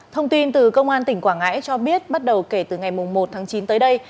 thông tin từ công an tỉnh quảng ngãi cho biết bắt đầu kể từ ngày một tháng chín tới đây